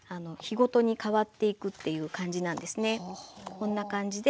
こんな感じで。